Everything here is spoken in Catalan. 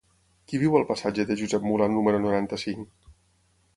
Qui viu al passatge de Josep Mula número noranta-cinc?